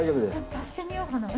足してみようかな。